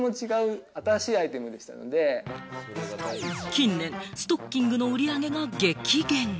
近年、ストッキングの売り上げが激減。